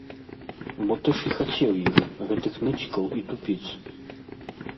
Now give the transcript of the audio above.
Бо ты ж і хацеў іх, гэтых ныцікаў і тупіц.